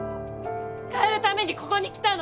変えるためにここに来たの。